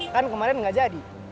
kan kemarin gak jadi